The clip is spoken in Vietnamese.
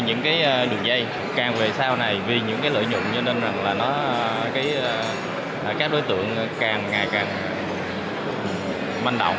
các đường dây càng về sau này vì những lợi nhuận các đối tượng càng ngày càng manh động